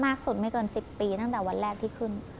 สุดไม่เกิน๑๐ปีตั้งแต่วันแรกที่ขึ้น